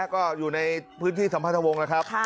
ก็อยู่ในพื้นที่สัมพันธวงศ์แล้วครับ